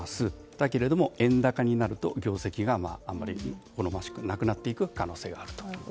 だけれども円高になると業績があまり好ましくなくなっていく可能性があると。